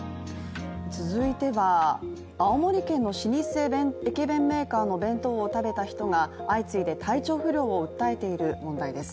続いては、青森県の老舗駅弁メーカーの弁当を食べた人が相次いで体調不良を訴えている問題です。